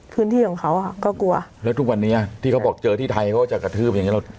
พื้นที่ของเขาอ่ะก็กลัวแล้วทุกวันนี้ที่เขาบอกเจอที่ไทยเขาจะกระทืบอย่างเงี้เรา